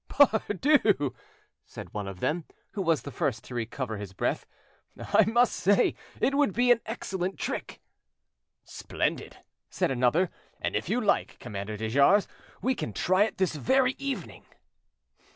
"Pardu!" said one of them, who was the first to recover his breath, "I must say it would be an excellent trick." "Splendid!" said another; "and if you like, Commander de Jars, we can try it this very evening."